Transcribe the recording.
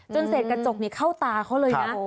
จนเสร็จกระจกนี้เข้าตาเขาเลยนะ